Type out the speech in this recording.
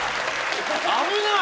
危ない！